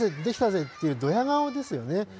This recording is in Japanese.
できたぜ！」っていうどや顔ですよね。